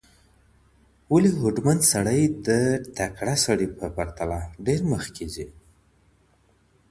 ولي هوډمن سړی د تکړه سړي په پرتله ډېر مخکي ځي؟